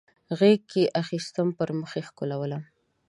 غیږ کې اخیستم پر مخ یې ښکلولم